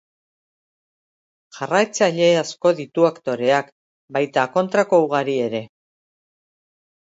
Jarraitzaile asko ditu aktoreak, baita kontrako ugari ere.